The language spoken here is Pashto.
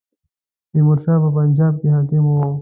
تیمور شاه په پنجاب کې حاکم وو.